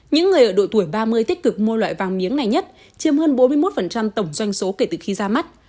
những người ở độ tuổi ba mươi tích cực mua loại vàng miếng này nhất chiếm hơn bốn mươi một tổng doanh số kể từ khi ra mắt